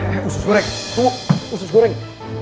eh usus goreng tunggu usus goreng